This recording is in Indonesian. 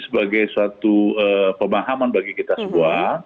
sebagai suatu pemahaman bagi kita semua